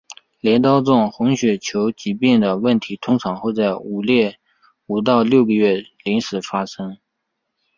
镰刀状红血球疾病的问题通常会在五到六个月龄时发作。